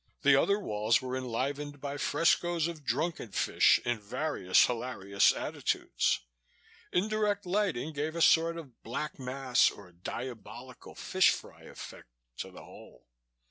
The other walls were enlivened by frescoes of drunken fish in various hilarious attitudes. Indirect lighting gave a sort of Black Mass or Diabolical Fish Fry effect to the whole.